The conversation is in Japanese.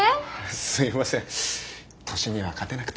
すいません年には勝てなくて。